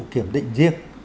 kiểm định riêng